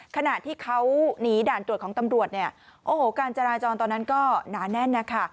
ขณะที่เขาหนีด่านตรวจของตำรวจเนี่ยโอ้โหการจราจรตอนนั้นก็หนาแน่นนะคะ